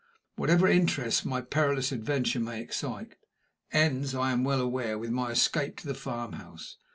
Whatever interest my perilous adventure may excite, ends, I am well aware, with my escape to the farmhouse.